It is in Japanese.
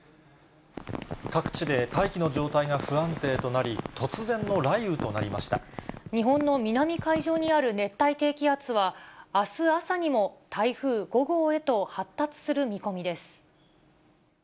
各地で大気の状態が不安定と日本の南海上にある熱帯低気圧は、あす朝にも台風５号へと発達する見込みです。